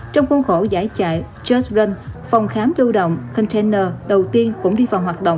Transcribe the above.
trong khuôn khổ giải trại just run phòng khám lưu động container đầu tiên cũng đi vào hoạt động